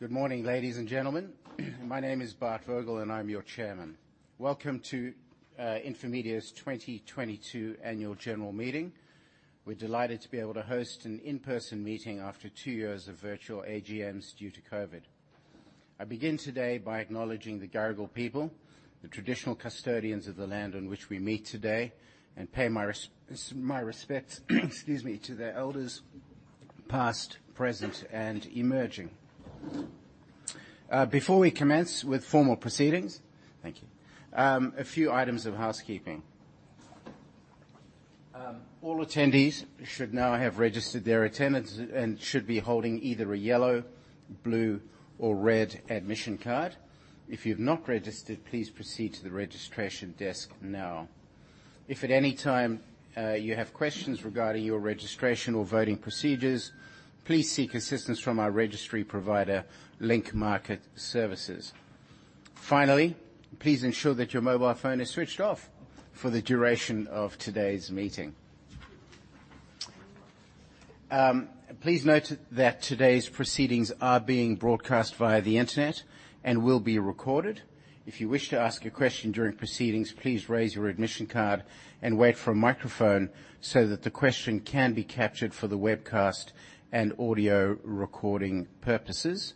Good morning, ladies and gentlemen. My name is Bart Vogel and I'm your Chairman. Welcome to Infomedia's 2022 annual general meeting. We're delighted to be able to host an in-person meeting after two years of virtual AGMs due to COVID. I begin today by acknowledging the Gadigal people, the traditional custodians of the land on which we meet today, and pay my respects to their elders past, present, and emerging. Before we commence with formal proceedings, thank you, a few items of housekeeping. All attendees should now have registered their attendance and should be holding either a yellow, blue, or red admission card. If you've not registered, please proceed to the registration desk now. If at any time you have questions regarding your registration or voting procedures, please seek assistance from our registry provider, Link Market Services. Finally, please ensure that your mobile phone is switched off for the duration of today's meeting. Please note that today's proceedings are being broadcast via the Internet and will be recorded. If you wish to ask a question during proceedings, please raise your admission card and wait for a microphone so that the question can be captured for the webcast and audio recording purposes.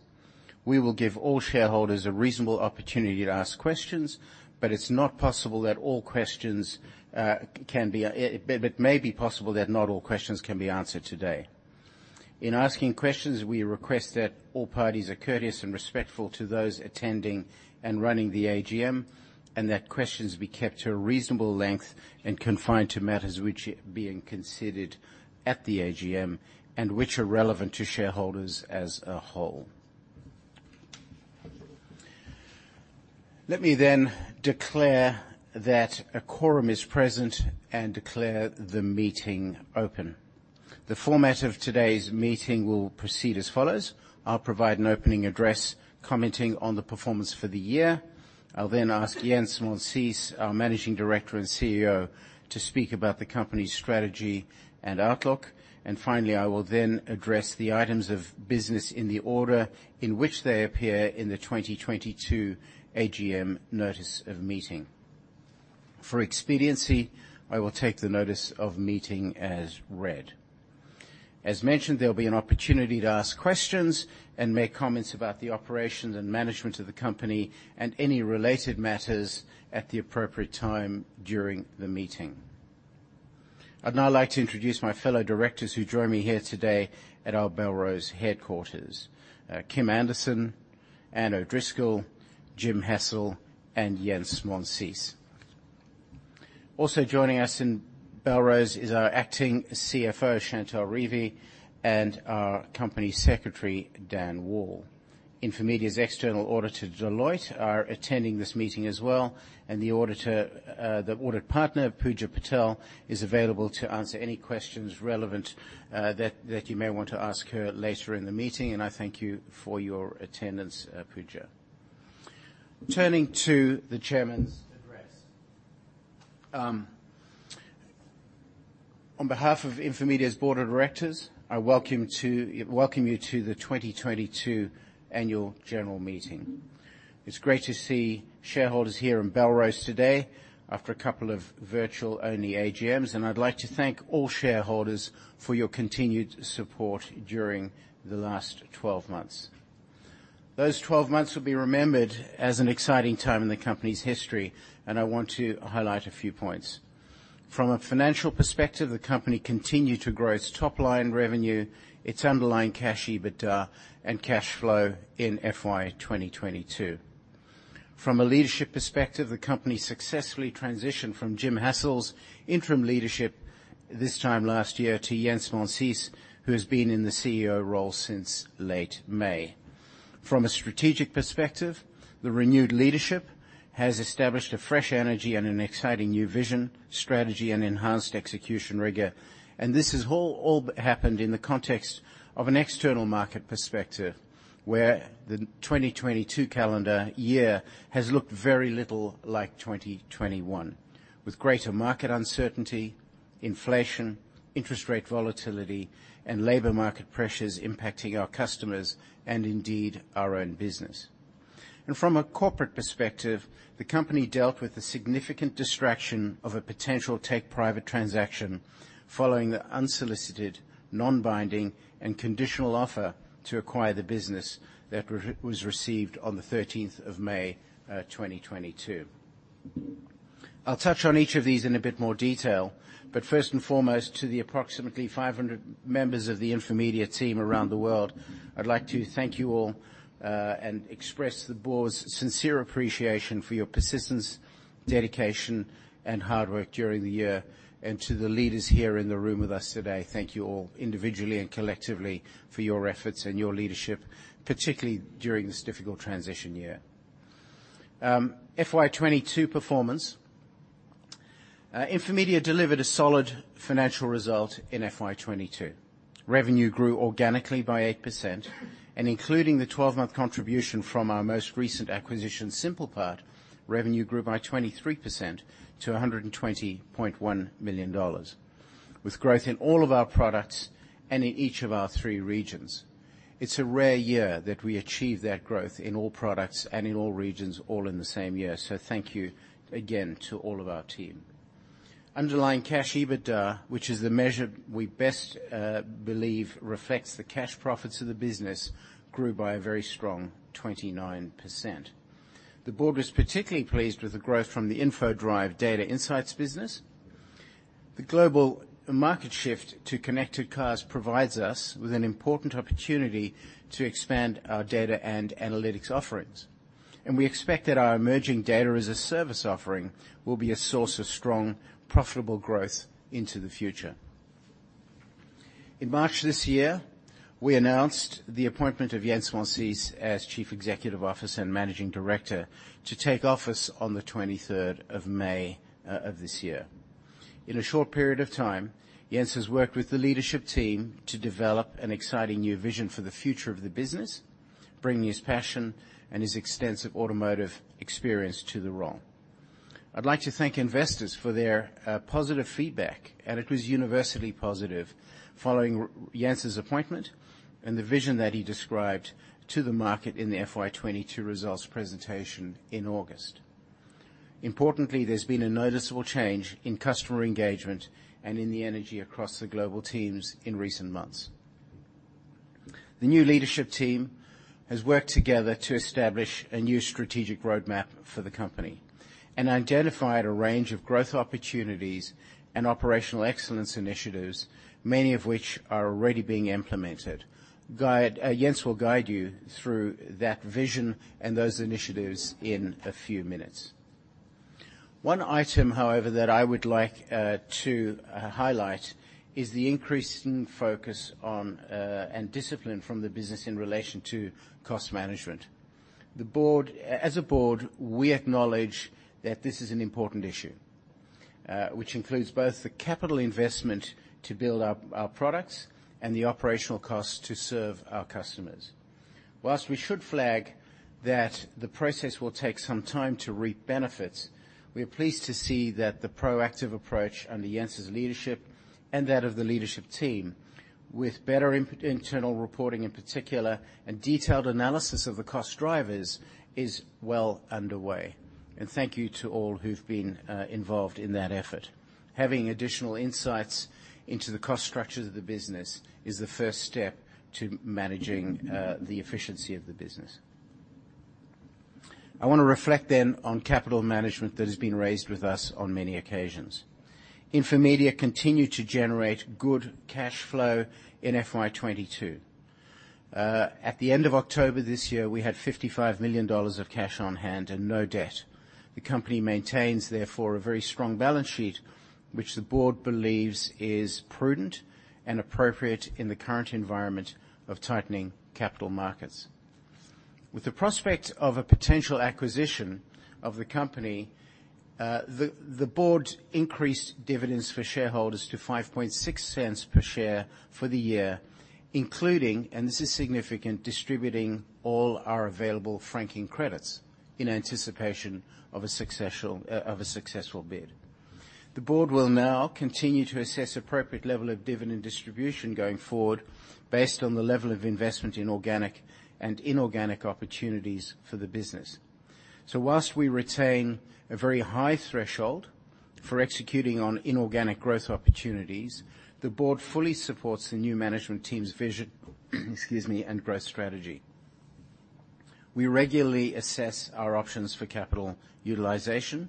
We will give all shareholders a reasonable opportunity to ask questions. It may be possible that not all questions can be answered today. In asking questions, we request that all parties are courteous and respectful to those attending and running the AGM, and that questions be kept to a reasonable length and confined to matters which are being considered at the AGM and which are relevant to shareholders as a whole. Let me then declare that a quorum is present and declare the meeting open. The format of today's meeting will proceed as follows, I'll provide an opening address commenting on the performance for the year. I'll then ask Jens Monsees, our Managing Director and CEO, to speak about the company's strategy and outlook. Finally, I will then address the items of business in the order in which they appear in the 2022 AGM notice of meeting. For expediency, I will take the notice of meeting as read. As mentioned, there'll be an opportunity to ask questions and make comments about the operations and management of the company and any related matters at the appropriate time during the meeting. I'd now like to introduce my fellow directors who join me here today at our Belrose headquarters. Kim Anderson, Anne O'Driscoll, Jim Hassell, and Jens Monsees. Also joining us in Belrose is our Acting CFO, Chantell Revie, and our Company Secretary, Dan Wall. Infomedia's external auditor, Deloitte, are attending this meeting as well, and the audit partner, Puja Patel, is available to answer any questions relevant that you may want to ask her later in the meeting, and I thank you for your attendance, Puja. Turning to the Chairman's Address. On behalf of Infomedia's board of directors, I welcome you to the 2022 annual general meeting. It's great to see shareholders here in Belrose today after a couple of virtual-only AGMs, and I'd like to thank all shareholders for your continued support during the last 12 months. Those 12 months will be remembered as an exciting time in the company's history, and I want to highlight a few points. From a financial perspective, the company continued to grow its top-line revenue, its underlying cash EBITDA and cash flow in FY 2022. From a leadership perspective, the company successfully transitioned from Jim Hassell's interim leadership this time last year to Jens Monsees, who has been in the CEO role since late May. From a strategic perspective, the renewed leadership has established a fresh energy and an exciting new vision, strategy, and enhanced execution rigor, and this has all happened in the context of an external market perspective, where the 2022 calendar year has looked very little like 2021, with greater market uncertainty, inflation, interest rate volatility, and labor market pressures impacting our customers and indeed our own business. From a corporate perspective, the company dealt with the significant distraction of a potential take-private transaction following the unsolicited, non-binding, and conditional offer to acquire the business that was received on the 13th of May 2022. I'll touch on each of these in a bit more detail, but first and foremost, to the approximately 500 members of the Infomedia team around the world, I'd like to thank you all, and express the board's sincere appreciation for your persistence, dedication, and hard work during the year. To the leaders here in the room with us today, thank you all, individually and collectively, for your efforts and your leadership, particularly during this difficult transition year. FY 2022 performance. Infomedia delivered a solid financial result in FY 2022. Revenue grew organically by 8%, and including the 12-month contribution from our most recent acquisition, SimplePart, revenue grew by 23% to 120.1 million dollars, with growth in all of our products and in each of our three regions. It's a rare year that we achieve that growth in all products and in all regions, all in the same year. Thank you again to all of our team. Underlying cash EBITDA, which is the measure we best believe reflects the cash profits of the business, grew by a very strong 29%. The board was particularly pleased with the growth from the Infodrive data insights business. The global market shift to connected cars provides us with an important opportunity to expand our data and analytics offerings, and we expect that our emerging data-as-a-service offering will be a source of strong, profitable growth into the future. In March this year, we announced the appointment of Jens Monsees as Chief Executive Officer and Managing Director to take office on the 23rd of May of this year. In a short period of time, Jens has worked with the leadership team to develop an exciting new vision for the future of the business, bringing his passion and his extensive automotive experience to the role. I'd like to thank investors for their positive feedback, and it was universally positive following Jens Monsees's appointment and the vision that he described to the market in the FY 2022 results presentation in August. Importantly, there's been a noticeable change in customer engagement and in the energy across the global teams in recent months. The new leadership team has worked together to establish a new strategic roadmap for the company and identified a range of growth opportunities and operational excellence initiatives, many of which are already being implemented. Jens will guide you through that vision and those initiatives in a few minutes. One item, however, that I would like to highlight is the increasing focus on and discipline from the business in relation to cost management. As a board, we acknowledge that this is an important issue, which includes both the capital investment to build our products and the operational costs to serve our customers. While we should flag that the process will take some time to reap benefits, we are pleased to see that the proactive approach under Jens's leadership and that of the leadership team with better improved internal reporting in particular, and detailed analysis of the cost drivers is well underway. Thank you to all who've been involved in that effort. Having additional insights into the cost structure of the business is the first step to managing the efficiency of the business. I wanna reflect then on capital management that has been raised with us on many occasions. Infomedia continued to generate good cash flow in FY 2022. At the end of October this year, we had 55 million dollars of cash on hand and no debt. The company maintains, therefore, a very strong balance sheet, which the board believes is prudent and appropriate in the current environment of tightening capital markets. With the prospect of a potential acquisition of the company, the board increased dividends for shareholders to 0.056 per share for the year, including, and this is significant, distributing all our available franking credits in anticipation of a successful bid. The board will now continue to assess appropriate level of dividend distribution going forward based on the level of investment in organic and inorganic opportunities for the business. While we retain a very high threshold for executing on inorganic growth opportunities, the board fully supports the new management team's vision, excuse me, and growth strategy. We regularly assess our options for capital utilization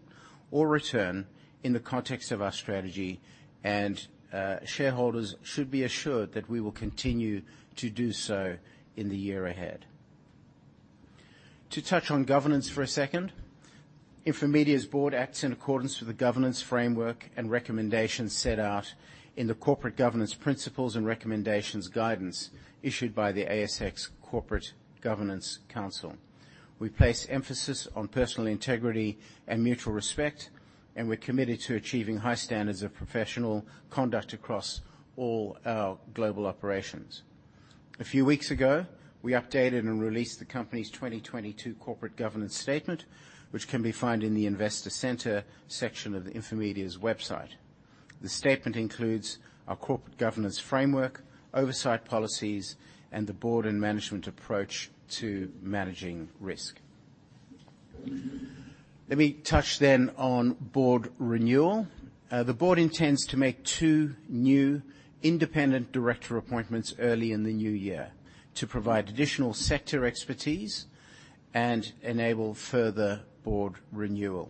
or return in the context of our strategy, and, shareholders should be assured that we will continue to do so in the year ahead. To touch on governance for a second, Infomedia's board acts in accordance with the governance framework and recommendations set out in the corporate governance principles and recommendations guidance issued by the ASX Corporate Governance Council. We place emphasis on personal integrity and mutual respect, and we're committed to achieving high standards of professional conduct across all our global operations. A few weeks ago, we updated and released the company's 2022 corporate governance statement, which can be found in the Investor Center section of Infomedia's website. The statement includes our corporate governance framework, oversight policies, and the board and management approach to managing risk. Let me touch on board renewal. The board intends to make two new independent director appointments early in the new year to provide additional sector expertise and enable further board renewal.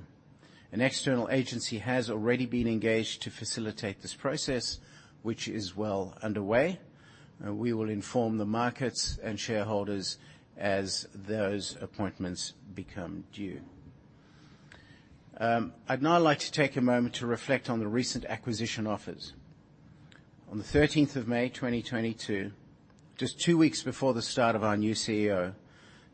An external agency has already been engaged to facilitate this process, which is well underway. We will inform the markets and shareholders as those appointments become due. I'd now like to take a moment to reflect on the recent acquisition offers. On the 13th of May 2022, just two weeks before the start of our new CEO,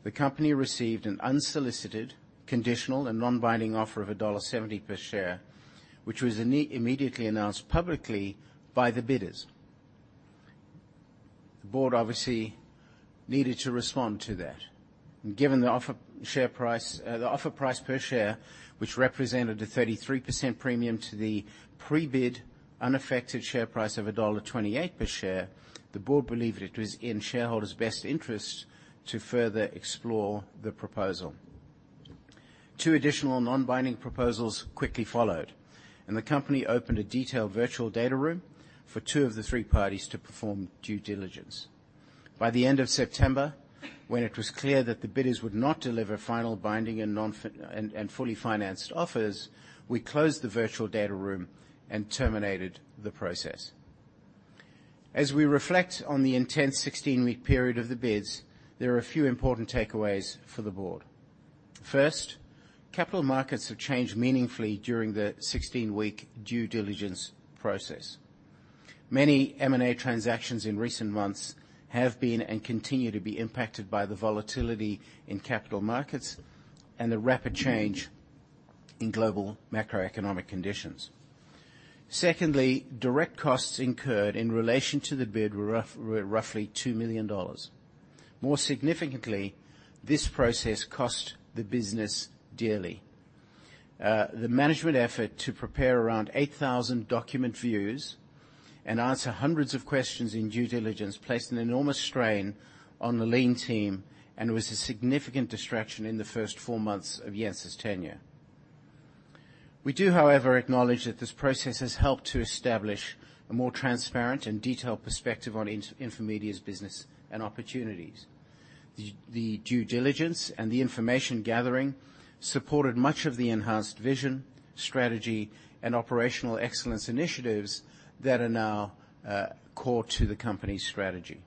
the company received an unsolicited, conditional and non-binding offer of dollar 1.70 per share, which was immediately announced publicly by the bidders. The board obviously needed to respond to that. Given the offer share price, the offer price per share, which represented a 33% premium to the pre-bid unaffected share price of dollar 1.28 per share, the board believed it was in shareholders' best interest to further explore the proposal. Two additional non-binding proposals quickly followed, and the company opened a detailed virtual data room for two of the three parties to perform due diligence. By the end of September, when it was clear that the bidders would not deliver final binding and fully financed offers, we closed the virtual data room and terminated the process. As we reflect on the intense 16-week period of the bids, there are a few important takeaways for the board. First, capital markets have changed meaningfully during the 16-week due diligence process. Many M&A transactions in recent months have been and continue to be impacted by the volatility in capital markets and the rapid change in global macroeconomic conditions. Secondly, direct costs incurred in relation to the bid were roughly 2 million dollars. More significantly, this process cost the business dearly. The management effort to prepare around 8,000 document views and answer hundreds of questions in due diligence placed an enormous strain on the lean team and was a significant distraction in the first four months of Jens' tenure. We do, however, acknowledge that this process has helped to establish a more transparent and detailed perspective on Infomedia's business and opportunities. The due diligence and the information gathering supported much of the enhanced vision, strategy, and operational excellence initiatives that are now core to the company's strategy.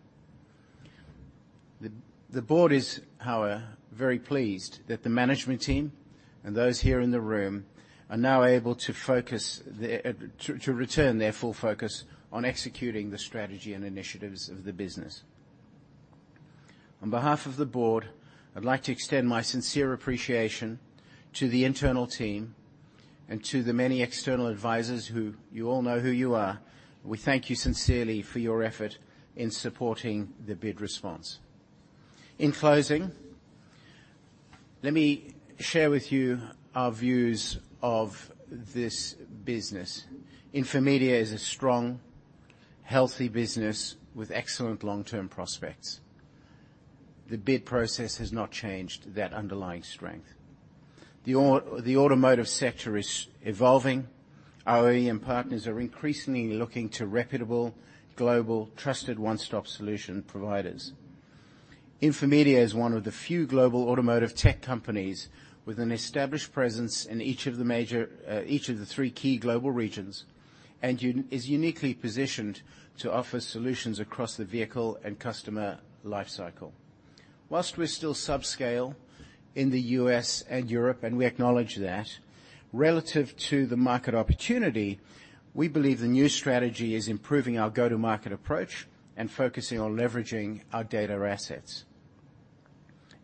The board is, however, very pleased that the management team and those here in the room are now able to return their full focus on executing the strategy and initiatives of the business. On behalf of the board, I'd like to extend my sincere appreciation to the internal team and to the many external advisors who you all know who you are. We thank you sincerely for your effort in supporting the bid response. In closing, let me share with you our views of this business. Infomedia is a strong, healthy business with excellent long-term prospects. The bid process has not changed that underlying strength. The automotive sector is evolving. Our OEM partners are increasingly looking to reputable, global, trusted one-stop solution providers. Infomedia is one of the few global automotive tech companies with an established presence in each of the major, each of the three key global regions and is uniquely positioned to offer solutions across the vehicle and customer lifecycle. While we're still subscale in the US and Europe, and we acknowledge that, relative to the market opportunity, we believe the new strategy is improving our go-to-market approach and focusing on leveraging our data assets.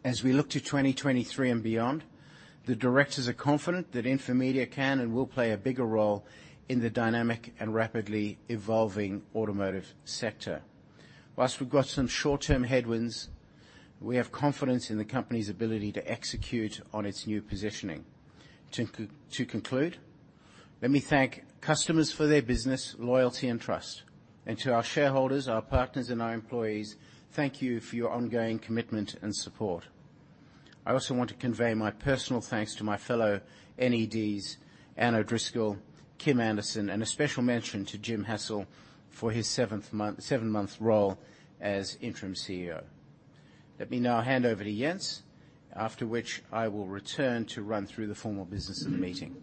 As we look to 2023 and beyond, the directors are confident that Infomedia can and will play a bigger role in the dynamic and rapidly evolving automotive sector. While we've got some short-term headwinds, we have confidence in the company's ability to execute on its new positioning. To conclude, let me thank customers for their business, loyalty and trust. To our shareholders, our partners and our employees, thank you for your ongoing commitment and support. I also want to convey my personal thanks to my fellow NEDs, Anne O'Driscoll, Kim Anderson, and a special mention to Jim Hassell for his seven-month role as interim CEO. Let me now hand over to Jens, after which I will return to run through the formal business of the meeting.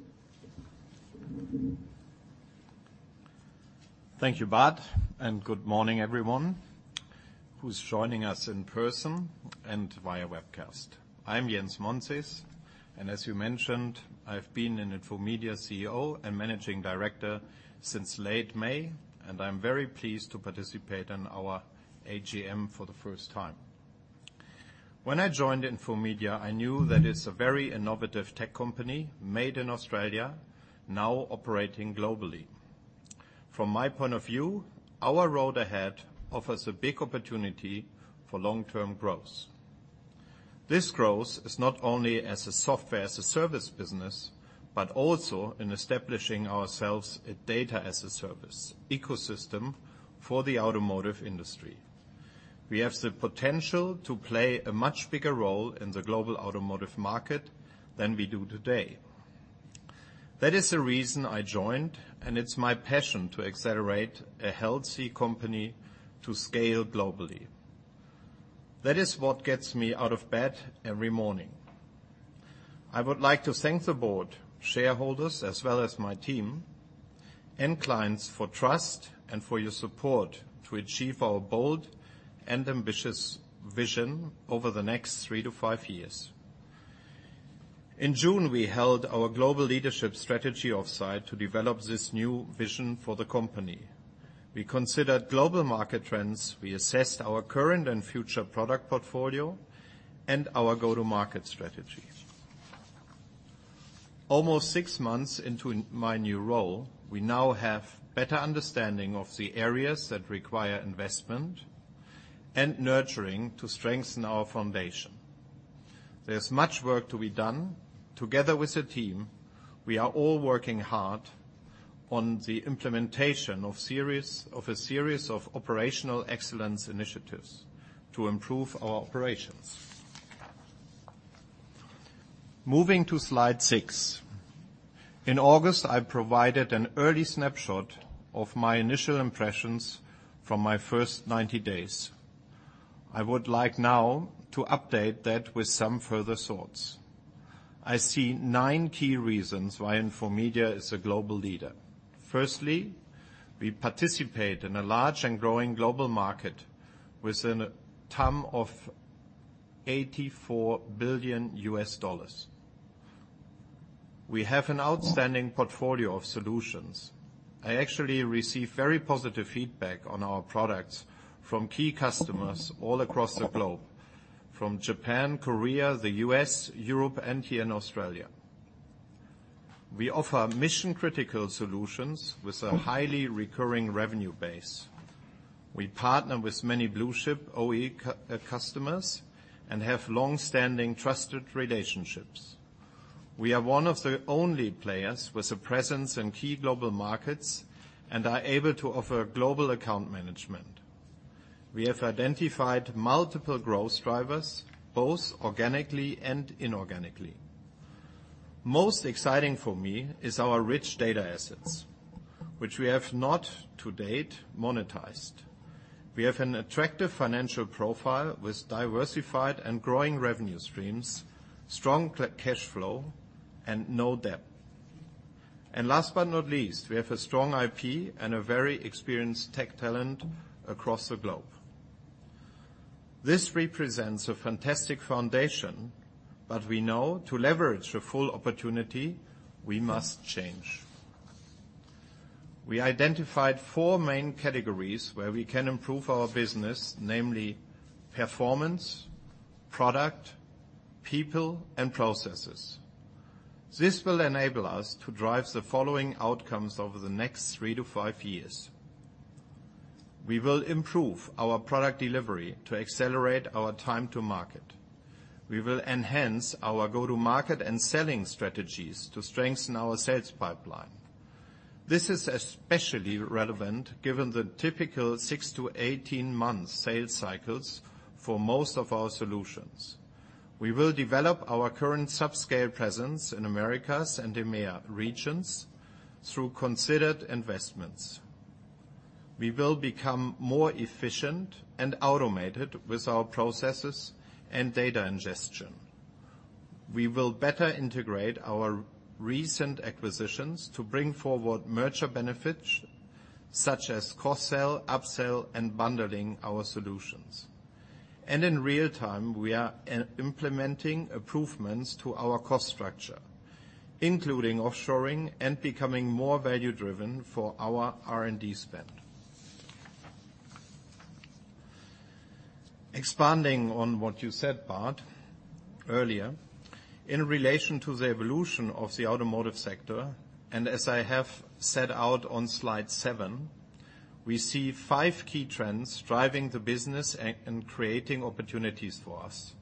Thank you, Bart, and good morning everyone who's joining us in person and via webcast. I'm Jens Monsees, and as you mentioned, I've been an Infomedia CEO and Managing Director since late May, and I'm very pleased to participate in our AGM for the first time. When I joined Infomedia, I knew that it's a very innovative tech company made in Australia, now operating globally. From my point of view, our road ahead offers a big opportunity for long-term growth. This growth is not only as a software as a service business, but also in establishing ourselves a data-as-a-service ecosystem for the automotive industry. We have the potential to play a much bigger role in the global automotive market than we do today. That is the reason I joined, and it's my passion to accelerate a healthy company to scale globally. That is what gets me out of bed every morning. I would like to thank the board, shareholders, as well as my team and clients for trust and for your support to achieve our bold and ambitious vision over the next 3-5 years. In June, we held our global leadership strategy offsite to develop this new vision for the company. We considered global market trends, we assessed our current and future product portfolio and our go-to-market strategy. Almost 6 months into my new role, we now have better understanding of the areas that require investment and nurturing to strengthen our foundation. There's much work to be done. Together with the team, we are all working hard on the implementation of a series of operational excellence initiatives to improve our operations. Moving to slide six. In August, I provided an early snapshot of my initial impressions from my first 90 days. I would like now to update that with some further thoughts. I see nine key reasons why Infomedia is a global leader. Firstly, we participate in a large and growing global market with a TAM of $84 billion. We have an outstanding portfolio of solutions. I actually receive very positive feedback on our products from key customers all across the globe, from Japan, Korea, the U.S., Europe, and here in Australia. We offer mission-critical solutions with a highly recurring revenue base. We partner with many blue-chip OEM customers and have long-standing trusted relationships. We are one of the only players with a presence in key global markets and are able to offer global account management. We have identified multiple growth drivers, both organically and inorganically. Most exciting for me is our rich data assets, which we have not to date monetized. We have an attractive financial profile with diversified and growing revenue streams, strong cash flow, and no debt. Last but not least, we have a strong IP and a very experienced tech talent across the globe. This represents a fantastic foundation, but we know to leverage the full opportunity, we must change. We identified four main categories where we can improve our business, namely performance, product, people, and processes. This will enable us to drive the following outcomes over the next three to five years. We will improve our product delivery to accelerate our time to market. We will enhance our go-to-market and selling strategies to strengthen our sales pipeline. This is especially relevant given the typical six to 18-month sales cycles for most of our solutions. We will develop our current subscale presence in Americas and EMEA regions through considered investments. We will become more efficient and automated with our processes and data ingestion. We will better integrate our recent acquisitions to bring forward merger benefits such as cross-sell, up-sell, and bundling our solutions. In real time, we are implementing improvements to our cost structure, including offshoring and becoming more value-driven for our R&D spend. Expanding on what you said, Bart, earlier, in relation to the evolution of the automotive sector, and as I have set out on slide seven, we see five key trends driving the business and creating opportunities for us.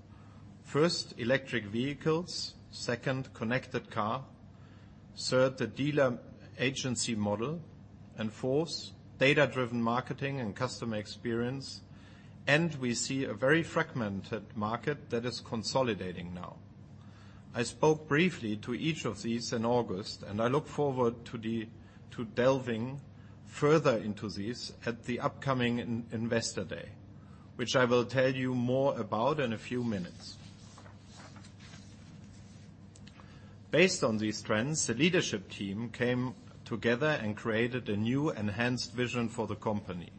First, electric vehicles. Second, connected car. Third, the dealer agency model. And fourth, data-driven marketing and customer experience. We see a very fragmented market that is consolidating now. I spoke briefly to each of these in August, and I look forward to delving further into this at the upcoming Investor Day, which I will tell you more about in a few minutes. Based on these trends, the leadership team came together and created a new enhanced vision for the company.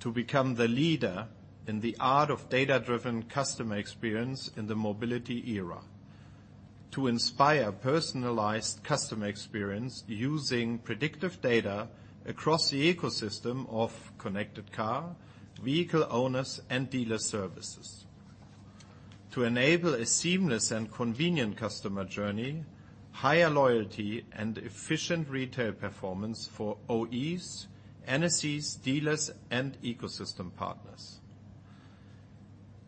To become the leader in the art of data-driven customer experience in the mobility era. To inspire personalized customer experience using predictive data across the ecosystem of connected car, vehicle owners, and dealer services. To enable a seamless and convenient customer journey, higher loyalty, and efficient retail performance for OEMs, NSCs, dealers, and ecosystem partners.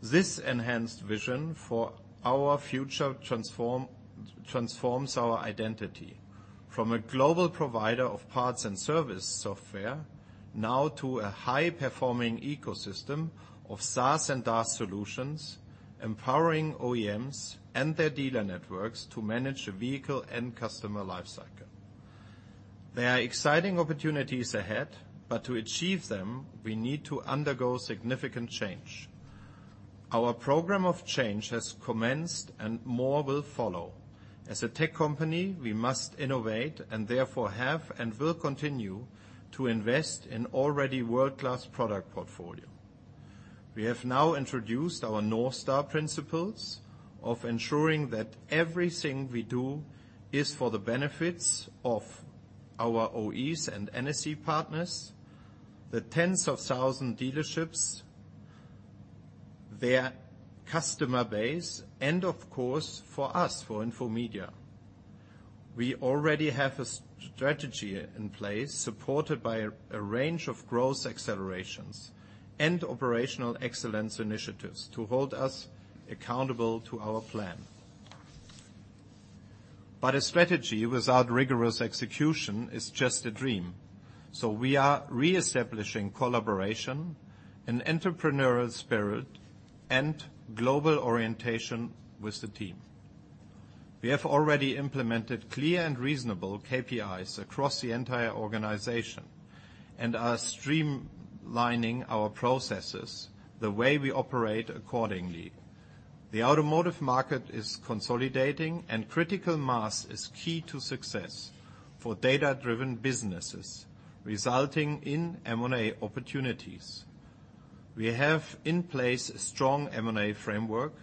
This enhanced vision for our future transforms our identity from a global provider of parts and service software now to a high-performing ecosystem of SaaS and DaaS solutions, empowering OEMs and their dealer networks to manage the vehicle and customer life cycle. There are exciting opportunities ahead, but to achieve them, we need to undergo significant change. Our program of change has commenced and more will follow. As a tech company, we must innovate and therefore have and will continue to invest in already world-class product portfolio. We have now introduced our North Star principles of ensuring that everything we do is for the benefits of our OEMs and NSCs partners, the tens of thousands of dealerships, their customer base and of course, for us, for Infomedia. We already have a strategy in place, supported by a range of growth accelerations and operational excellence initiatives to hold us accountable to our plan. A strategy without rigorous execution is just a dream, so we are reestablishing collaboration and entrepreneurial spirit and global orientation with the team. We have already implemented clear and reasonable KPIs across the entire organization, and are streamlining our processes the way we operate accordingly. The automotive market is consolidating, and critical mass is key to success for data-driven businesses, resulting in M&A opportunities. We have in place a strong M&A framework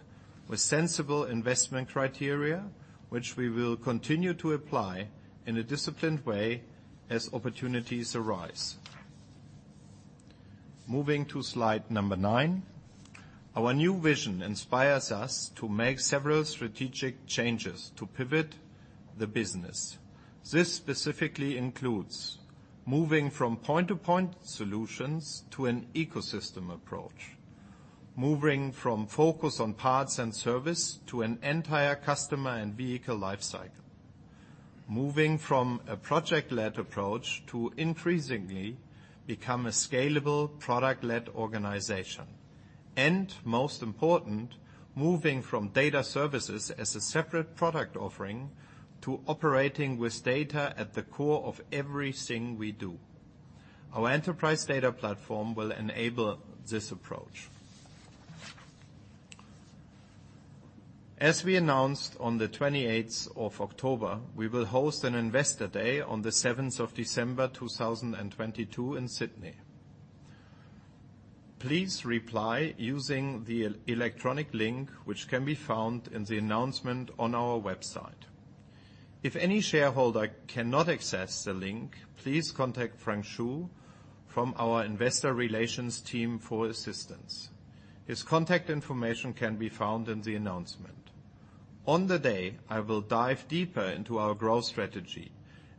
with sensible investment criteria, which we will continue to apply in a disciplined way as opportunities arise. Moving to slide number nine. Our new vision inspires us to make several strategic changes to pivot the business. This specifically includes moving from point-to-point solutions to an ecosystem approach. Moving from focus on parts and service to an entire customer and vehicle life cycle. Moving from a project-led approach to increasingly become a scalable product-led organization. Most important, moving from data services as a separate product offering to operating with data at the core of everything we do. Our enterprise data platform will enable this approach. As we announced on the 28th of October, we will host an investor day on the 7th of December, 2022 in Sydney. Please reply using the electronic link, which can be found in the announcement on our website. If any shareholder cannot access the link, please contact Frank Zhu from our investor relations team for assistance. His contact information can be found in the announcement. On the day, I will dive deeper into our growth strategy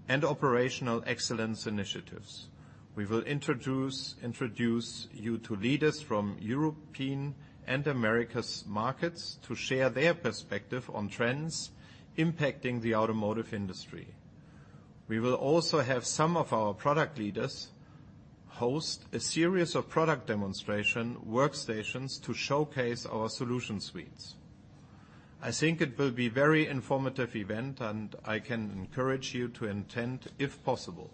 and operational excellence initiatives. We will introduce you to leaders from European and American markets to share their perspective on trends impacting the automotive industry. We will also have some of our product leaders host a series of product demonstration workstations to showcase our solution suites. I think it will be very informative event, and I can encourage you to attend if possible.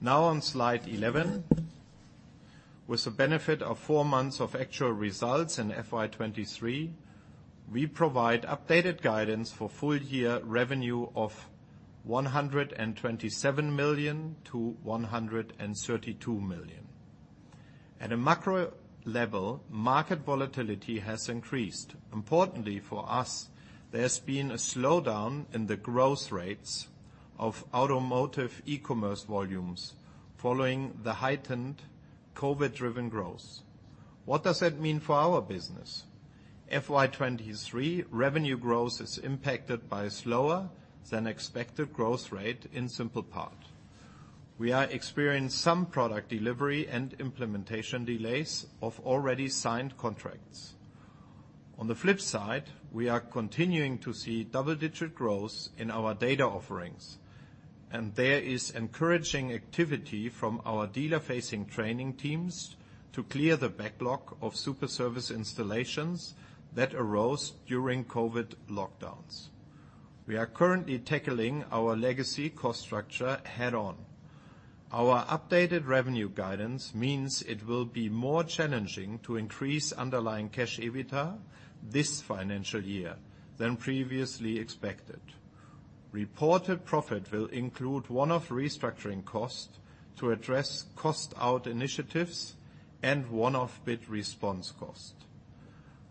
Now on slide 11. With the benefit of four months of actual results in FY 2023, we provide updated guidance for full year revenue of 127 million-132 million. At a macro level, market volatility has increased. Importantly for us, there's been a slowdown in the growth rates of automotive e-commerce volumes following the heightened COVID-driven growth. What does that mean for our business? FY 2023 revenue growth is impacted by slower than expected growth rate in SimplePart. We are experiencing some product delivery and implementation delays of already signed contracts. On the flip side, we are continuing to see double-digit growth in our data offerings, and there is encouraging activity from our dealer-facing training teams to clear the backlog of Superservice installations that arose during COVID lockdowns. We are currently tackling our legacy cost structure head on. Our updated revenue guidance means it will be more challenging to increase underlying cash EBITDA this financial year than previously expected. Reported profit will include one-off restructuring cost to address cost-out initiatives and one-off bid response cost.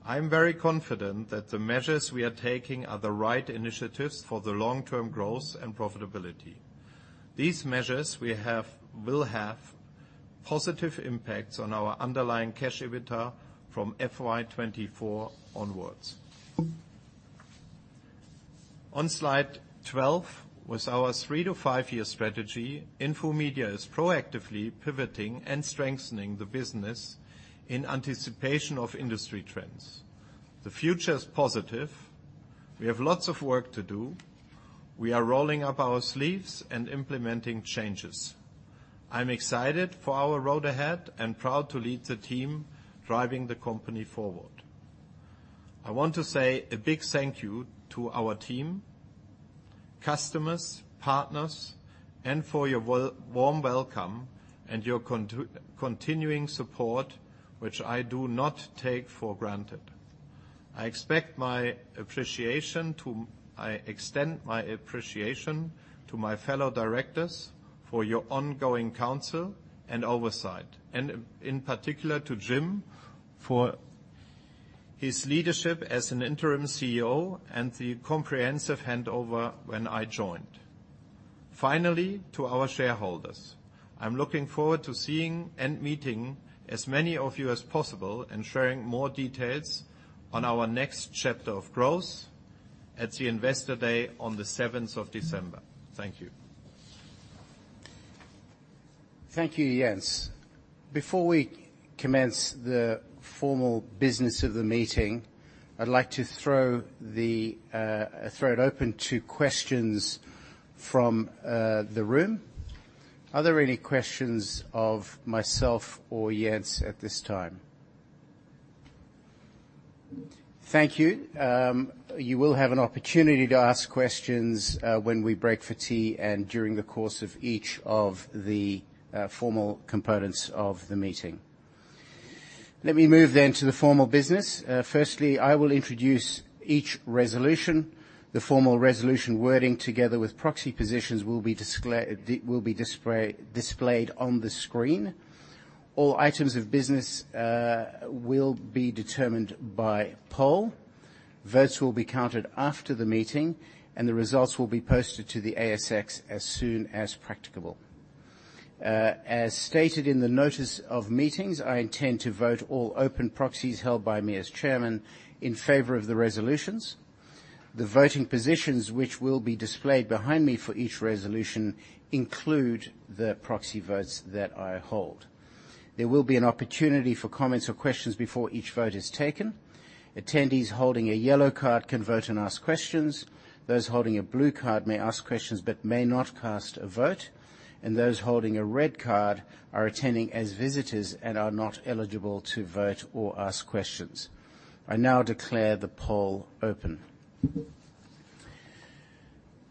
I am very confident that the measures we are taking are the right initiatives for the long-term growth and profitability. These measures will have positive impacts on our underlying cash EBITDA from FY 2024 onwards. On slide 12, with our 3-5-year strategy, Infomedia is proactively pivoting and strengthening the business in anticipation of industry trends. The future is positive. We have lots of work to do. We are rolling up our sleeves and implementing changes. I'm excited for our road ahead and proud to lead the team driving the company forward. I want to say a big thank you to our team, customers, partners, and for your warm welcome and your continuing support, which I do not take for granted. I extend my appreciation to my fellow directors for your ongoing counsel and oversight, and in particular to Jim for his leadership as an interim CEO and the comprehensive handover when I joined. Finally, to our shareholders, I'm looking forward to seeing and meeting as many of you as possible and sharing more details on our next chapter of growth at the Investor Day on the 17th of December. Thank you. Thank you, Jens. Before we commence the formal business of the meeting, I'd like to throw it open to questions from the room. Are there any questions of myself or Jens at this time? Thank you. You will have an opportunity to ask questions when we break for tea and during the course of each of the formal components of the meeting. Let me move to the formal business. Firstly, I will introduce each resolution. The formal resolution wording, together with proxy positions, will be displayed on the screen. All items of business will be determined by poll. Votes will be counted after the meeting, and the results will be posted to the ASX as soon as practicable. As stated in the notice of meetings, I intend to vote all open proxies held by me as chairman in favor of the resolutions. The voting positions, which will be displayed behind me for each resolution, include the proxy votes that I hold. There will be an opportunity for comments or questions before each vote is taken. Attendees holding a yellow card can vote and ask questions. Those holding a blue card may ask questions but may not cast a vote. Those holding a red card are attending as visitors and are not eligible to vote or ask questions. I now declare the poll open.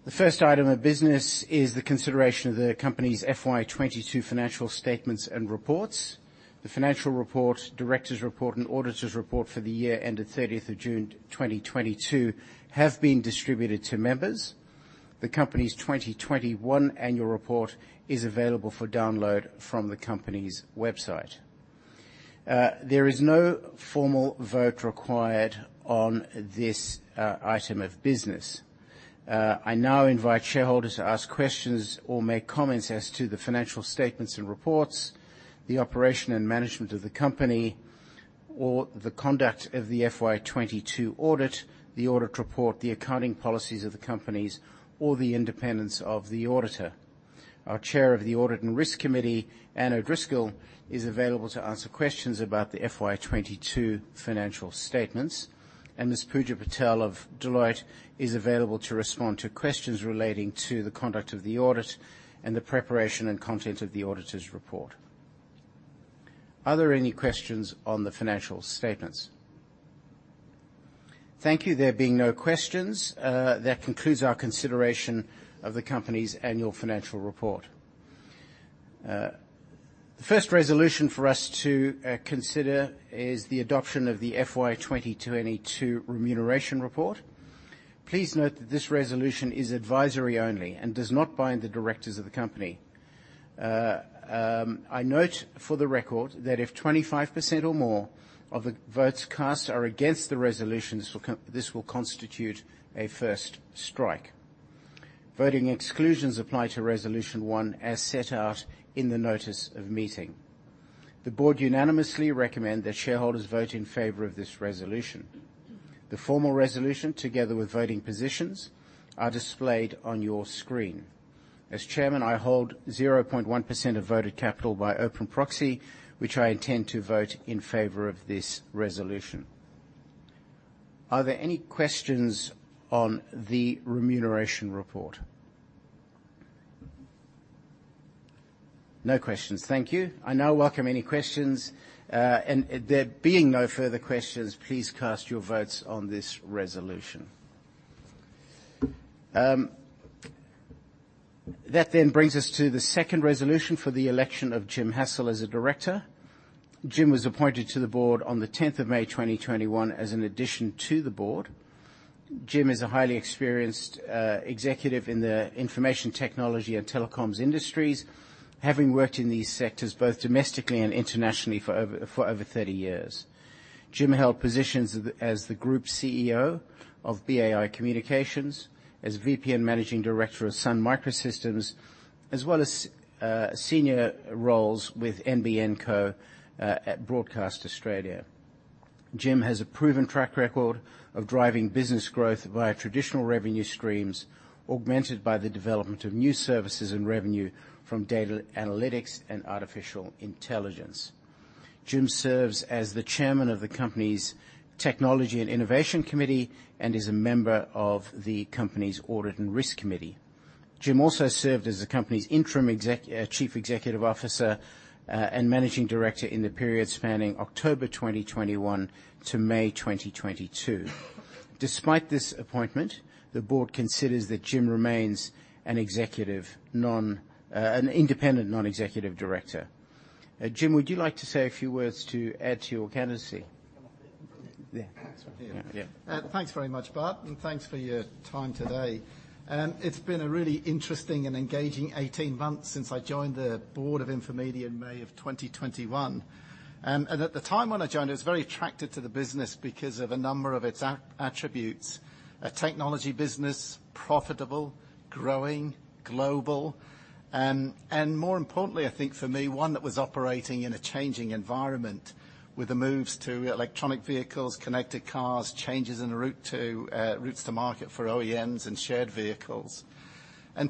The first item of business is the consideration of the company's FY 2022 financial statements and reports. The financial report, directors' report, and auditors' report for the year ended 30th of June, 2022 have been distributed to members. The company's 2021 annual report is available for download from the company's website. There is no formal vote required on this item of business. I now invite shareholders to ask questions or make comments as to the financial statements and reports, the operation and management of the company, or the conduct of the FY 2022 audit, the audit report, the accounting policies of the companies, or the independence of the auditor. Our Chair of the Audit and Risk Committee, Anne O'Driscoll, is available to answer questions about the FY 2022 financial statements, and Ms. Puja Patel of Deloitte is available to respond to questions relating to the conduct of the audit and the preparation and content of the auditor's report. Are there any questions on the financial statements? Thank you. There being no questions, that concludes our consideration of the company's annual financial report. The first resolution for us to consider is the adoption of the FY 2022 remuneration report. Please note that this resolution is advisory only and does not bind the directors of the company. I note for the record that if 25% or more of the votes cast are against the resolutions, this will constitute a first strike. Voting exclusions apply to resolution one as set out in the notice of meeting. The board unanimously recommend that shareholders vote in favor of this resolution. The formal resolution, together with voting positions, are displayed on your screen. As chairman, I hold 0.1% of voted capital by open proxy, which I intend to vote in favor of this resolution. Are there any questions on the remuneration report? No questions. Thank you. I now welcome any questions. There being no further questions, please cast your votes on this resolution. That then brings us to the second resolution for the election of Jim Hassell as a director. Jim was appointed to the board on the 10th of May, 2021, as an addition to the board. Jim is a highly experienced executive in the information technology and telecoms industries, having worked in these sectors both domestically and internationally for over 30 years. Jim held positions as the Group CEO of BAI Communications, as VP and managing director of Sun Microsystems, as well as senior roles with NBN Co. at Broadcast Australia. Jim has a proven track record of driving business growth via traditional revenue streams, augmented by the development of new services and revenue from data analytics and artificial intelligence. Jim serves as the Chairman of the company's Technology and Innovation Committee and is a member of the company's Audit and Risk Committee. Jim also served as the company's interim Chief Executive Officer and Managing Director in the period spanning October 2021 to May 2022. Despite this appointment, the board considers that Jim remains an independent non-executive Director. Jim, would you like to say a few words to add to your candidacy? Yeah. Yeah. Thanks very much, Bart, and thanks for your time today. It's been a really interesting and engaging 18 months since I joined the board of Infomedia in May 2021. At the time when I joined, I was very attracted to the business because of a number of its attributes. A technology business, profitable, growing, global. More importantly, I think for me, one that was operating in a changing environment with the moves to electric vehicles, connected cars, changes in the routes to market for OEMs and shared vehicles.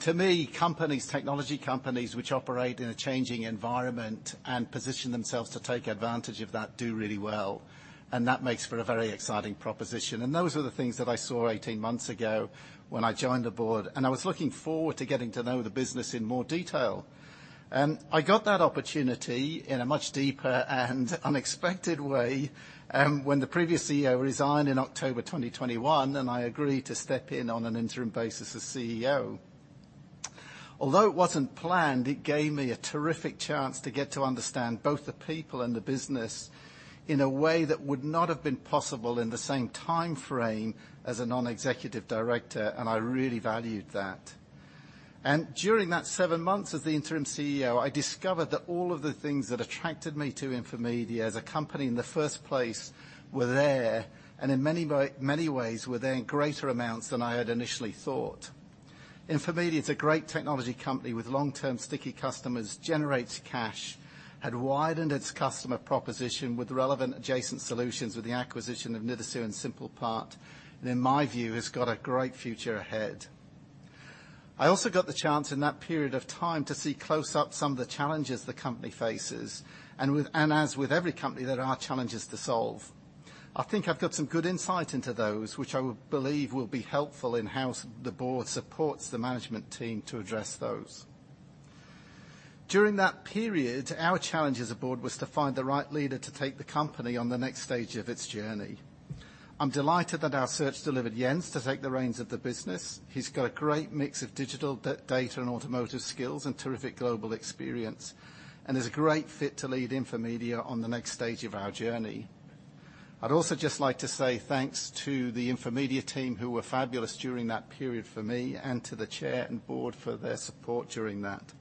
To me, companies, technology companies which operate in a changing environment and position themselves to take advantage of that, do really well, and that makes for a very exciting proposition. Those were the things that I saw 18 months ago when I joined the board, and I was looking forward to getting to know the business in more detail. I got that opportunity in a much deeper and unexpected way, when the previous CEO resigned in October 2021, and I agreed to step in on an interim basis as CEO. Although it wasn't planned, it gave me a terrific chance to get to understand both the people and the business in a way that would not have been possible in the same timeframe as a non-executive director, and I really valued that. During that seven months as the interim CEO, I discovered that all of the things that attracted me to Infomedia as a company in the first place were there, and in many ways were there in greater amounts than I had initially thought. Infomedia, it's a great technology company with long-term sticky customers, generates cash, had widened its customer proposition with relevant adjacent solutions with the acquisition of Nidasu and SimplePart, and in my view, has got a great future ahead. I also got the chance in that period of time to see close-up some of the challenges the company faces, and, as with every company, there are challenges to solve. I think I've got some good insight into those, which I would believe will be helpful in how the board supports the management team to address those. During that period, our challenge as a board was to find the right leader to take the company on the next stage of its journey. I'm delighted that our search delivered Jens to take the reins of the business. He's got a great mix of digital data and automotive skills and terrific global experience, and is a great fit to lead Infomedia on the next stage of our journey. I'd also just like to say thanks to the Infomedia team, who were fabulous during that period for me, and to the chair and board for their support during that.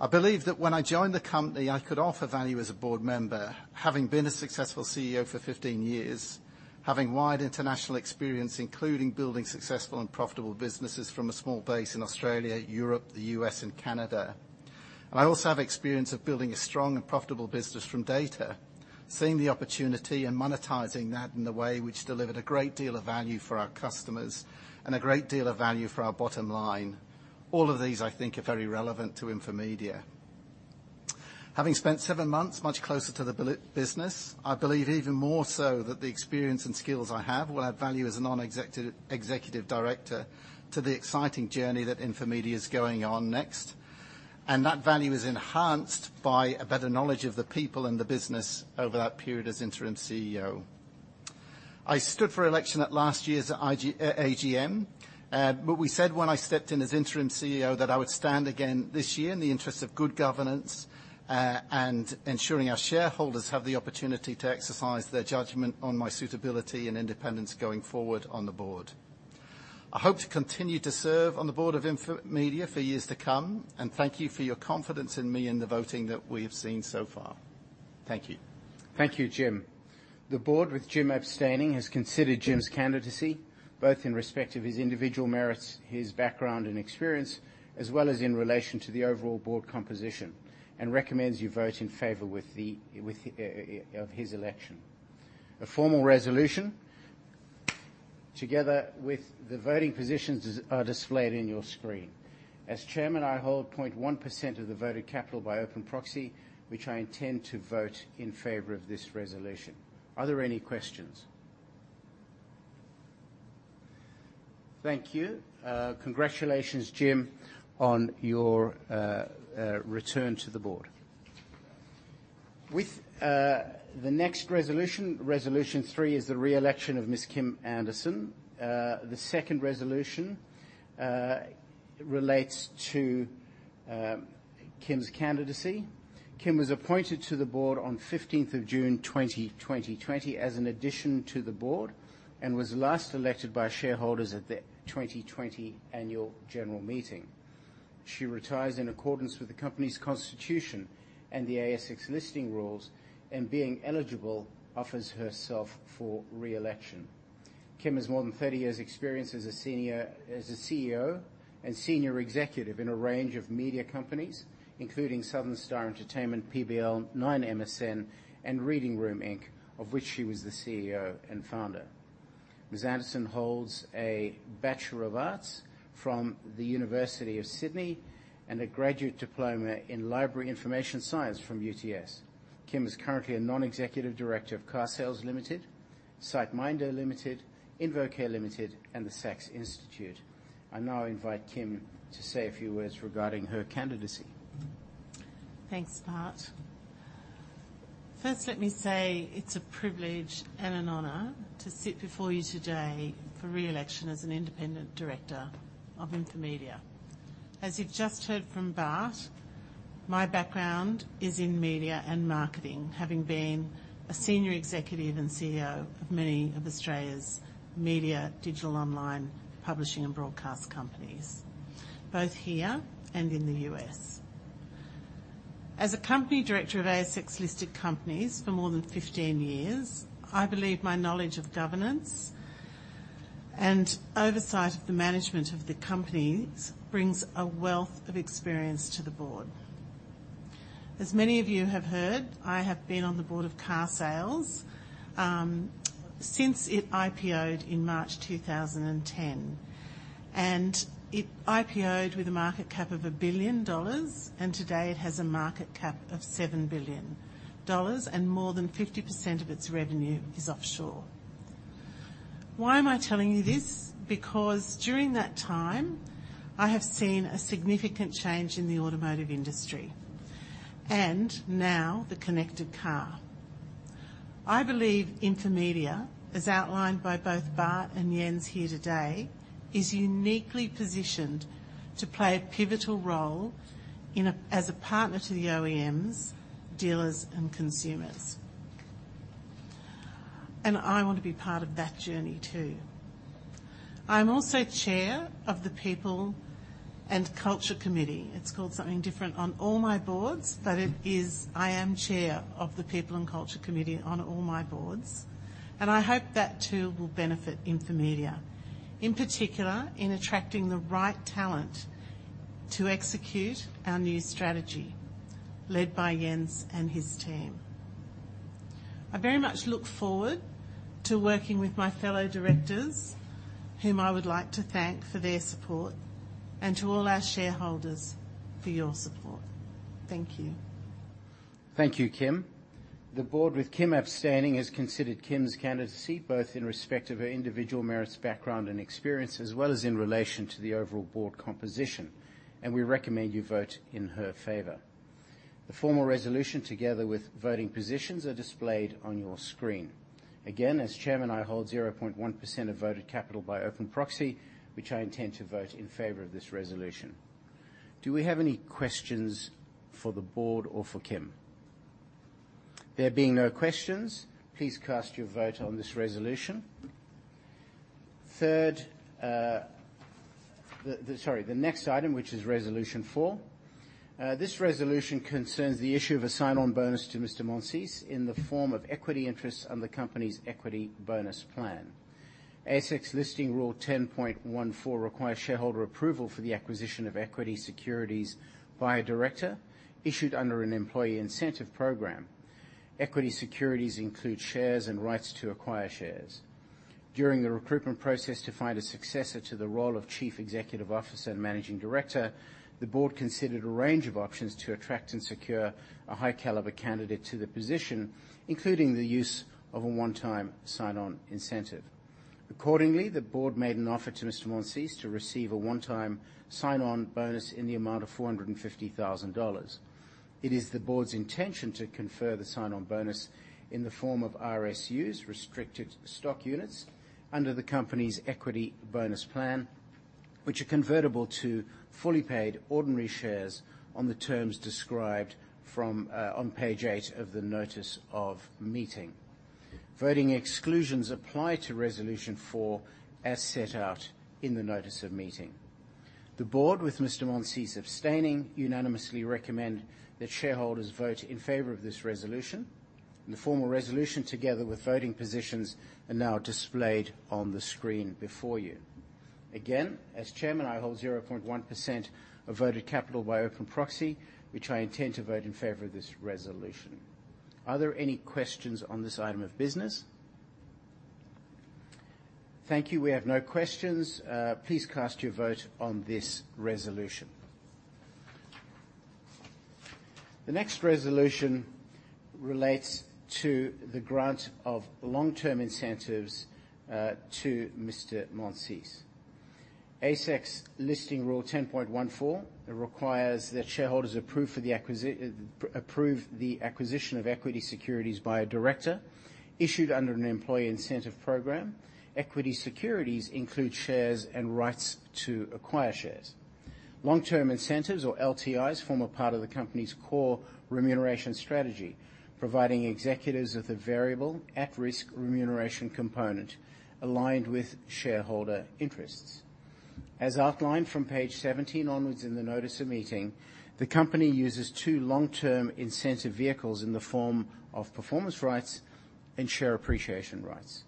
I believe that when I joined the company, I could offer value as a board member, having been a successful CEO for 15 years, having wide international experience, including building successful and profitable businesses from a small base in Australia, Europe, the U.S., and Canada. I also have experience of building a strong and profitable business from data. Seeing the opportunity and monetizing that in the way which delivered a great deal of value for our customers and a great deal of value for our bottom line. All of these, I think, are very relevant to Infomedia. Having spent seven months much closer to the business, I believe even more so that the experience and skills I have will add value as a non-executive director to the exciting journey that Infomedia is going on next. That value is enhanced by a better knowledge of the people and the business over that period as interim CEO. I stood for election at last year's AGM. We said when I stepped in as interim CEO that I would stand again this year in the interest of good governance, and ensuring our shareholders have the opportunity to exercise their judgment on my suitability and independence going forward on the board. I hope to continue to serve on the board of Infomedia for years to come, and thank you for your confidence in me in the voting that we have seen so far. Thank you. Thank you, Jim. The board, with Jim abstaining, has considered Jim's candidacy, both in respect of his individual merits, his background and experience, as well as in relation to the overall board composition, and recommends you vote in favor of his election. A formal resolution together with the voting positions is displayed on your screen. As chairman, I hold 0.1% of the voted capital by open proxy, which I intend to vote in favor of this resolution. Are there any questions? Thank you. Congratulations, Jim, on your return to the board. With the next resolution three is the re-election of Ms. Kim Anderson. The second resolution relates to Kim's candidacy. Kim was appointed to the board on 15 June 2020 as an addition to the board, and was last elected by shareholders at the 2020 annual general meeting. She retires in accordance with the company's constitution and the ASX Listing Rules, and being eligible, offers herself for re-election. Kim has more than 30 years' experience as a senior, as a CEO and senior executive in a range of media companies, including Southern Star Entertainment, PBL, ninemsn, and Reading Room Inc, of which she was the CEO and founder. Ms. Anderson holds a Bachelor of Arts from the University of Sydney and a Graduate Diploma in Library Information Science from UTS. Kim is currently a non-executive director of carsales.com Limited, SiteMinder Limited, InvoCare Limited, and the Sax Institute. I now invite Kim to say a few words regarding her candidacy. Thanks, Bart. First, let me say it's a privilege and an honor to sit before you today for re-election as an independent director of Infomedia. As you've just heard from Bart. My background is in media and marketing, having been a senior executive and CEO of many of Australia's media, digital online publishing, and broadcast companies, both here and in the U.S. As a company director of ASX-listed companies for more than 15 years, I believe my knowledge of governance and oversight of the management of the companies brings a wealth of experience to the board. As many of you have heard, I have been on the board of Carsales since it IPO'd in March 2010. It IPO'd with a market cap of 1 billion dollars, and today it has a market cap of 7 billion dollars, and more than 50% of its revenue is offshore. Why am I telling you this? Because during that time, I have seen a significant change in the automotive industry and now the connected car. I believe Infomedia, as outlined by both Bart and Jens here today, is uniquely positioned to play a pivotal role as a partner to the OEMs, dealers, and consumers. I want to be part of that journey too. I'm also chair of the People and Culture Committee. It's called something different on all my boards, but I am chair of the People and Culture Committee on all my boards, and I hope that too will benefit Infomedia, in particular, in attracting the right talent to execute our new strategy led by Jens and his team. I very much look forward to working with my fellow directors, whom I would like to thank for their support, and to all our shareholders for your support. Thank you. Thank you, Kim. The board, with Kim abstaining, has considered Kim's candidacy both in respect of her individual merits, background, and experience, as well as in relation to the overall board composition, and we recommend you vote in her favor. The formal resolution together with voting positions are displayed on your screen. Again, as chairman, I hold 0.1% of voting capital by open proxy, which I intend to vote in favor of this resolution. Do we have any questions for the board or for Kim? There being no questions, please cast your vote on this resolution. Third, the next item, which is resolution four. This resolution concerns the issue of a sign-on bonus to Mr. Monsees in the form of equity interest on the company's equity bonus plan. ASX Listing Rule 10.14 requires shareholder approval for the acquisition of equity securities by a director issued under an employee incentive program. Equity securities include shares and rights to acquire shares. During the recruitment process to find a successor to the role of chief executive officer and managing director, the board considered a range of options to attract and secure a high caliber candidate to the position, including the use of a one-time sign-on incentive. Accordingly, the board made an offer to Mr. Monsees to receive a one-time sign-on bonus in the amount of 450,000 dollars. It is the board's intention to confer the sign-on bonus in the form of RSUs, restricted stock units, under the company's equity bonus plan, which are convertible to fully paid ordinary shares on the terms described on page eight of the notice of meeting. Voting exclusions apply to resolution four as set out in the notice of meeting. The board, with Mr. Monsees abstaining, unanimously recommend that shareholders vote in favor of this resolution. The formal resolution together with voting positions are now displayed on the screen before you. Again, as chairman, I hold 0.1% of voted capital by open proxy, which I intend to vote in favor of this resolution. Are there any questions on this item of business? Thank you. We have no questions. Please cast your vote on this resolution. The next resolution relates to the grant of long-term incentives to Mr. Monsees. ASX Listing Rule 10.14 requires that shareholders approve the acquisition of equity securities by a director issued under an employee incentive program. Equity securities include shares and rights to acquire shares. Long-term incentives or LTIs form a part of the company's core remuneration strategy, providing executives with a variable at-risk remuneration component aligned with shareholder interests. As outlined from page 17 onwards in the notice of meeting, the company uses two long-term incentive vehicles in the form of performance rights and share appreciation rights.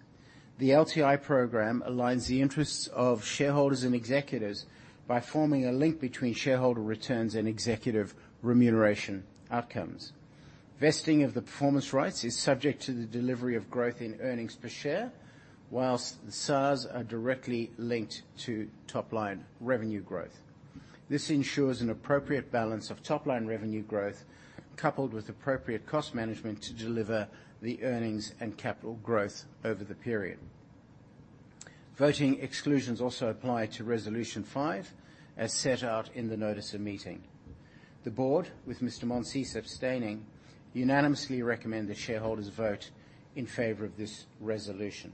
The LTI program aligns the interests of shareholders and executives by forming a link between shareholder returns and executive remuneration outcomes. Vesting of the performance rights is subject to the delivery of growth in earnings per share, whilst the SARs are directly linked to top-line revenue growth. This ensures an appropriate balance of top-line revenue growth coupled with appropriate cost management to deliver the earnings and capital growth over the period. Voting exclusions also apply to resolution 5, as set out in the notice of meeting. The board, with Mr. Monsees abstaining, unanimously recommend that shareholders vote in favor of this resolution.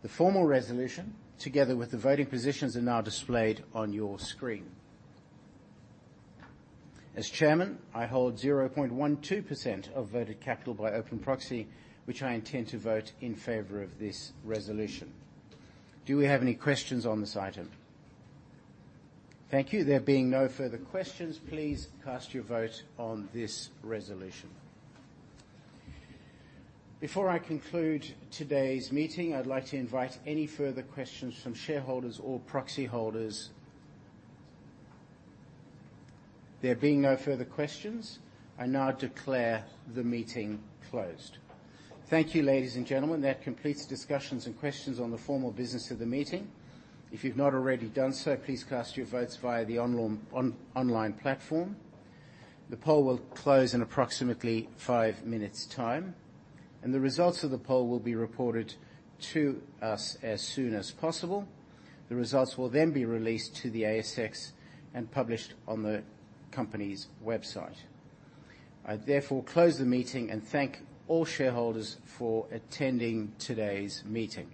The formal resolution, together with the voting positions, are now displayed on your screen. As Chairman, I hold 0.12% of voted capital by open proxy, which I intend to vote in favor of this resolution. Do we have any questions on this item? Thank you. There being no further questions, please cast your vote on this resolution. Before I conclude today's meeting, I'd like to invite any further questions from shareholders or proxy holders. There being no further questions, I now declare the meeting closed. Thank you, ladies and gentlemen. That completes discussions and questions on the formal business of the meeting. If you've not already done so, please cast your votes via the online platform. The poll will close in approximately five minutes' time, and the results of the poll will be reported to us as soon as possible. The results will then be released to the ASX and published on the company's website. I therefore close the meeting and thank all shareholders for attending today's meeting.